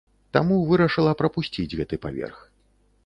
Таму вырашыла прапусціць гэты паверх.